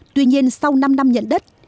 tuy nhiên sau năm năm nhận đất